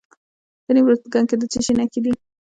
د نیمروز په کنگ کې د څه شي نښې دي؟